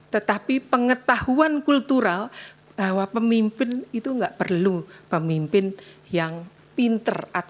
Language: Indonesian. tetapi pengetahuan kultural bahwa pemimpin itu nggak perlu pemimpin yang pinter